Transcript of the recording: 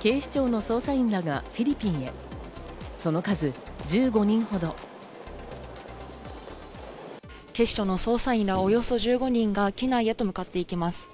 警視庁の捜査員らおよそ１５人が機内へと向かっていきます。